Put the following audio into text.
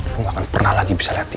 lo gak akan pernah lagi bisa lihat dia